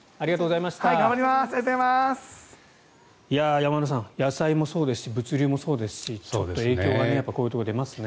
山村さん野菜もそうですし物流もそうですしちょっと影響がこういうところに出ますね。